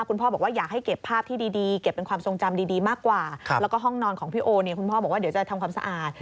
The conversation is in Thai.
คุณพ่อบอกว่าอยากให้เก็บภาพที่ดีเก็บเป็นความทรงจำดีมากกว่าแล้วก็ห้องนอนของพี่โอเนี่ยคุณพ่อบอกว่าเดี๋ยวจะทำความสะอาด